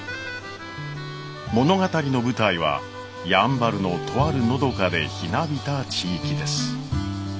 物語の舞台はやんばるのとあるのどかでひなびた地域です。